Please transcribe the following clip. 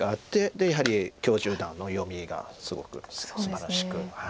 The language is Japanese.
でやはり許十段の読みがすごくすばらしく。